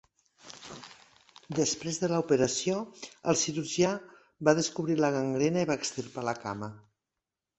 Després de l'operació, el cirurgià va descobrir la gangrena i va extirpar la cama.